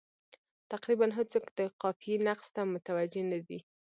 تقریبا هېڅوک د قافیې نقص ته متوجه نه دي.